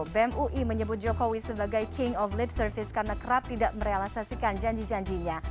bem ui menyebut jokowi sebagai king of lip service karena kerap tidak merealisasikan janji janjinya